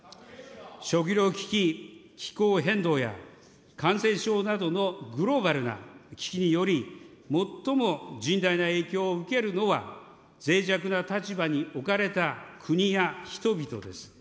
食料危機、気候変動や感染症などのグローバルな危機により、最も甚大な影響を受けるのは、ぜい弱な立場に置かれた国や人々です。